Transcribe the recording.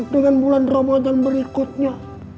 dengan bulan ramadhan berikutnya